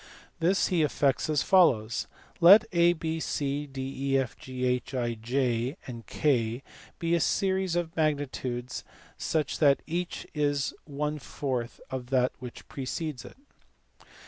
This he effects as follows. Let A, B, (7, ..., Jj K be a series of magnitudes such that each is one fourth of that which precedes it.